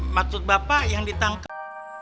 maksud bapak yang ditangkep